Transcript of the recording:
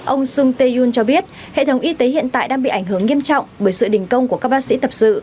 ông sung tae yoon cho biết hệ thống y tế hiện tại đang bị ảnh hưởng nghiêm trọng bởi sự đình công của các bác sĩ tập sự